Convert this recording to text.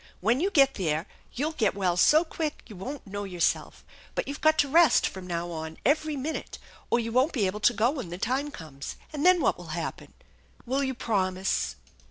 When you get there, you'll get well so quick you won't know yourself ; but you've got to rest from now on every minute, or you won't be able to go when the time comes ; and then what will happen ? Will you promise